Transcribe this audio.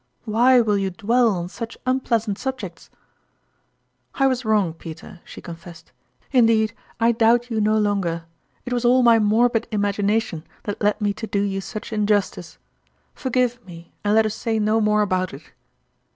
Why will you dwell on such un pleasant subjects ?"" I was wrong, Peter," she confessed " in deed, I doubt you no longer. It was all my morbid imagination that led me to do you JJcriobic 113 such injustice. Forgive me, and let us say no more about it